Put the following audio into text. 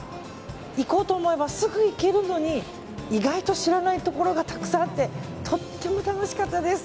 行こうと思えばすぐ行けるのに意外と知らないところがたくさんあってとっても楽しかったです。